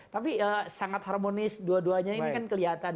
tapi sangat harmonis dua duanya ini kan kelihatan